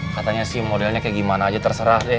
katanya sih modelnya kayak gimana aja terserah deh